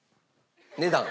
値段？